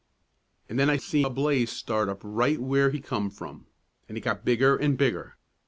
"An' then I see a blaze start up right where he come from, an' it got bigger an' bigger.